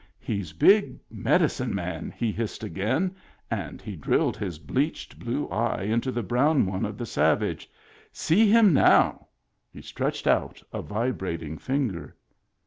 " He's big medicine man," he hissed again, and he drilled his bleached blue eye into the brown one of the savage. " See him now !" He stretched out a vibrating finger.